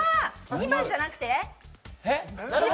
２番じゃなくて？